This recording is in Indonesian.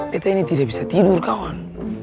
kita ini tidak bisa tidur kawan